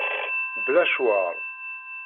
Bla ccwer.